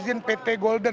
ini bukini bu